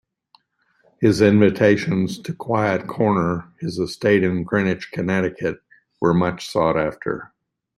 His invitations to "Quiet Corner," his estate in Greenwich, Connecticut, were much sought-after.